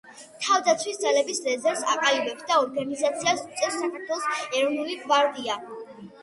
თავდაცვის ძალების რეზერვს აყალიბებს და ორგანიზაციას უწევს საქართველოს ეროვნული გვარდია.